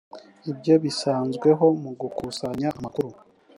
ibyo bisanzweho mu gukusanya amakuru